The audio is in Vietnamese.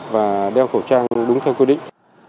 và đeo khẩu trang đúng theo quy định